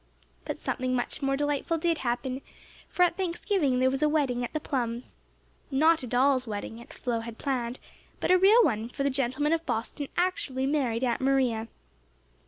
But something much more delightful did happen; for at Thanksgiving time there was a wedding at the Plums'. Not a doll's wedding, as Flo had planned, but a real one, for the gentleman from Boston actually married Aunt Maria.